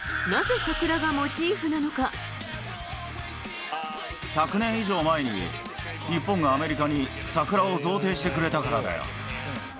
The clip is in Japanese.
しかし、１００年以上前に、日本がアメリカに桜を贈呈してくれたからだよ。